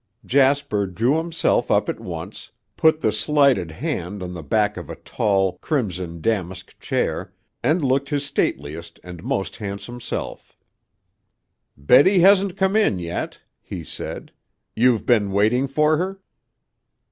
Jasper drew himself up at once, put the slighted hand on the back of a tall, crimson damask chair, and looked his stateliest and most handsome self. "Betty hasn't come in yet," he said. "You've been waiting for her?"